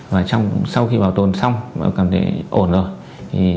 và sau khi bảo tồn xong cảm thấy ổn rồi